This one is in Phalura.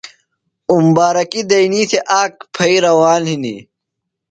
اُمبارکیۡ دینئی تھےۡ، آک پھئی روان ہِنیۡ۔